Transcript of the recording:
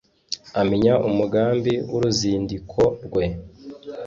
Amenya umugambi w’uruzindiko rwe,